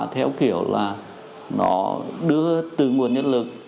theo kiểu là nó đưa từ nguồn nhân lực